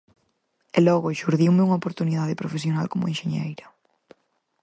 E logo xurdiume unha oportunidade profesional como enxeñeira.